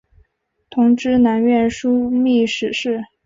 同知南院枢密使事。